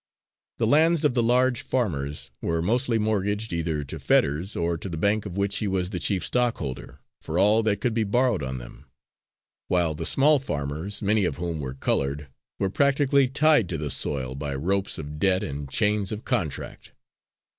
The lands of the large farmers were mostly mortgaged, either to Fetters, or to the bank of which he was the chief stockholder, for all that could be borrowed on them; while the small farmers, many of whom were coloured, were practically tied to the soil by ropes of debt and chains of contract.